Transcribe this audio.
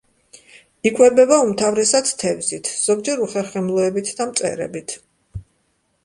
იკვებება უმთავრესად თევზით, ზოგჯერ უხერხემლოებით და მწერებით.